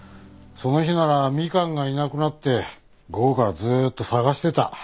その日ならみかんがいなくなって午後からずーっと捜してた。